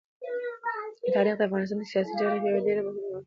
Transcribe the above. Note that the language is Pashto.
تاریخ د افغانستان د سیاسي جغرافیې یوه ډېره مهمه او اساسي برخه ده.